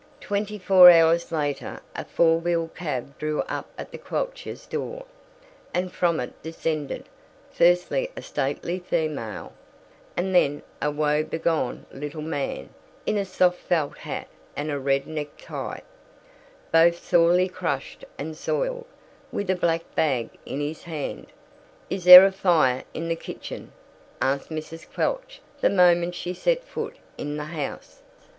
Twenty four hours later a four wheeled cab drew up at the Quelchs' door, and from it descended, first a stately female, and then a woe begone little man, in a soft felt hat and a red necktie, both sorely crushed and soiled, with a black bag in his hand. "Is there a fire in the kitchen?" asked Mrs. Quelch the moment she set foot in the house.